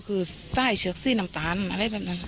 คือใต้เชือกซี่น้ำตาลอะไรแบบนั้น